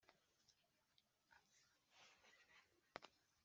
Hanyuma mu mpera za Kanama tu zabasura twese